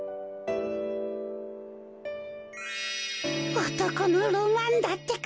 おとこのロマンだってか。